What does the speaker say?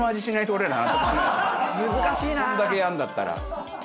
こんだけやるんだったら。